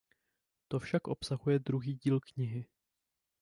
To však obsahuje druhý díl knihy.